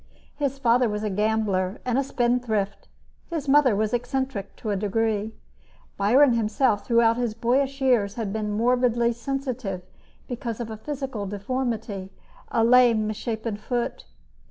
His father was a gambler and a spendthrift. His mother was eccentric to a degree. Byron himself, throughout his boyish years, had been morbidly sensitive because of a physical deformity a lame, misshapen foot.